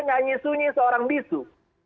nganyi sunyi seorang bisu